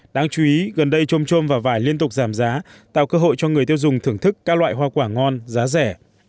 đáng chú ý gần đây trôm trôm và vải liên tục giảm giá tạo cơ hội cho người tiêu dùng thưởng thức các loại hoa quả ngon giá rẻ